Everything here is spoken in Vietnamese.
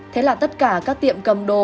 thế là tất cả các tiệm cầm đồ